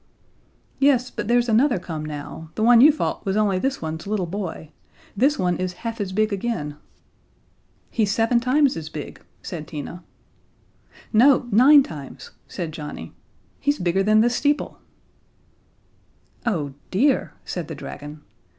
"Yes, but there's another come now the one you fought was only this one's little boy. This one is half as big again." "He's seven times as big," said Tina. "No, nine times," said Johnnie. "He's bigger than the steeple." "Oh, dear," said the dragon.